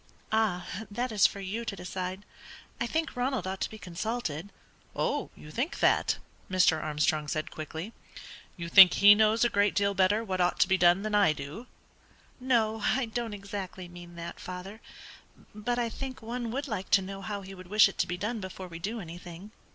"Ah, that is for you to decide. I think Ronald ought to be consulted." "Oh, you think that?" Mr. Armstrong said, quickly. "You think he knows a great deal better what ought to be done than I do?" "No, I don't exactly mean that, father; but I think one would like to know how he would wish it to be done before we do anything.